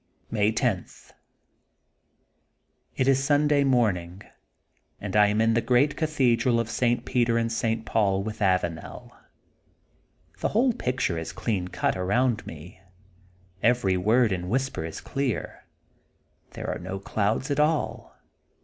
May 10: — ^It is Sunday morning, and I am in the Great Cathedral of St. Peter and St. Paul with Avanel. The whole picture is clean cut around me. Every word and whisper 'is clear. There are no clouds at all.